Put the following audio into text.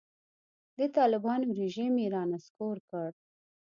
د طالبانو رژیم یې رانسکور کړ.